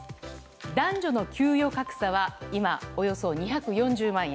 男女の給与格差は今およそ２４０万円。